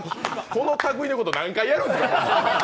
この類いのこと何回やるんや。